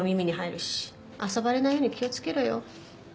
遊ばれないように気を付けろよ。